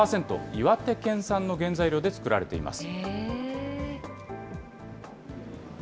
岩手県産の原材料で造られています。